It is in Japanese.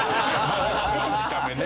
見た目ね。